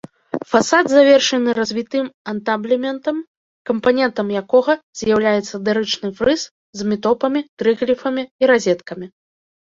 Фасад завершаны развітым антаблементам, кампанентам якога з'яўляецца дарычны фрыз з метопамі, трыгліфамі і разеткамі.